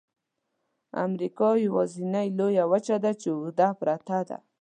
امریکا یوازني لویه وچه ده چې اوږده پرته ده.